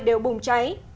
đều bùng cháy